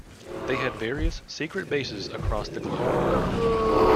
They had various secret bases across the globe.